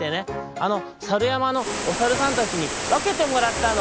あのさるやまのおさるさんたちにわけてもらったの」。